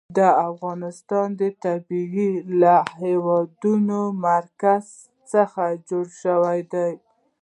د افغانستان طبیعت له د هېواد مرکز څخه جوړ شوی دی.